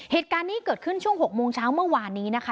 เหตุการณ์นี้เกิดขึ้นช่วง๖โมงเช้าเมื่อวานนี้นะคะ